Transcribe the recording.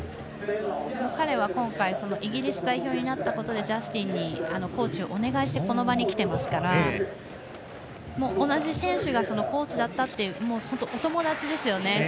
彼は、今回イギリス代表になったことでジャスティンにコーチをお願いしてこの場に来ていますから同じ選手がコーチだったってお友達ですよね。